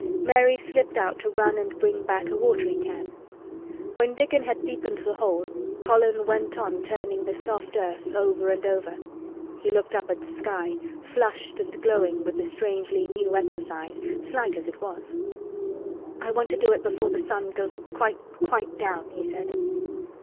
Mary slipped out to run and bring back a watering can. When Dickon had deepened the hole Colin went on turning the soft earth over and over. He looked up at the sky, flushed and glowing with the strangely new exercise, slight as it was. "I want to do it before the sun goes quite—quite down," he said.